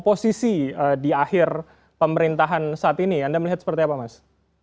pertama yang disebutkan gus choi tadi akan menjadi oposisi di akhir pemerintahan saat ini anda melihat seperti apa mas